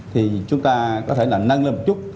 thì chúng ta có thể nâng lên một chút